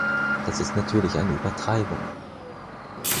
Das ist natürlich eine Übertreibung.